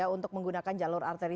untuk menggunakan jalur arteri